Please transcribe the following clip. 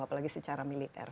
apalagi secara militer